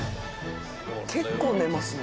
結構寝ますね。